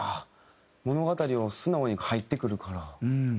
物語を素直に入ってくるから。